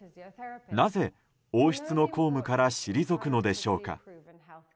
なぜ王室の公務から退くのでしょうか。